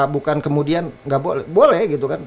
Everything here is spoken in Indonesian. bukan kemudian nggak boleh gitu kan